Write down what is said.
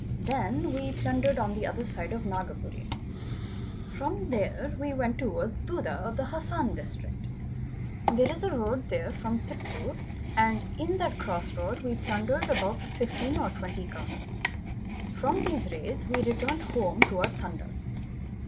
Then we plundered on the other side of Nagpuree. From there we went towards Duddu of the Hassan District. There is a road there from Tiptur, and in that cross road we plundered about 15 or 20 carts. From these raids we returned home to our Tandas.